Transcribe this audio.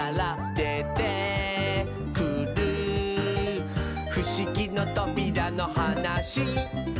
「でてくるふしぎのとびらのはなし」